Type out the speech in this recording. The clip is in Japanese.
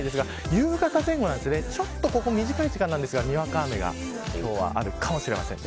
夕方前後短い時間ですが、にわか雨があるかもしれません。